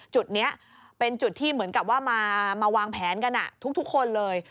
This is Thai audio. จุดนี้เป็นจุดที่เหมือนกับว่ามาวางแผนกันทุกคนเลย